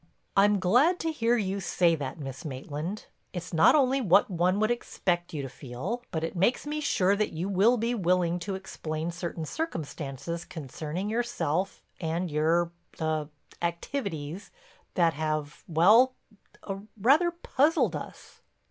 "I'm glad to hear you say that, Miss Maitland. It's not only what one would expect you to feel, but it makes me sure that you will be willing to explain certain circumstances concerning yourself and your—er—activities—that have—well—er—rather puzzled us."